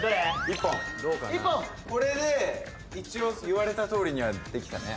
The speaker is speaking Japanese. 一本一本これで一応言われたとおりにはできたね